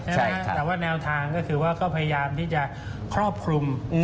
แต่ว่าแนวทางก็คือว่าก็พยายามที่จะครอบคลุม